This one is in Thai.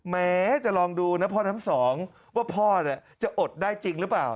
แม้จะลองดูนะพ่อทั้งสองว่าพ่อจะอดได้จริงหรือเปล่า